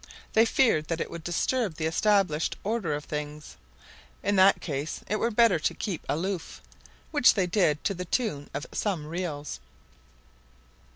They feared that it would disturb the established order of things. In that case it were better to keep aloof; which they did to the tune of some reals.